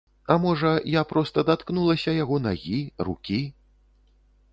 А можа, я проста даткнулася яго нагі, рукі?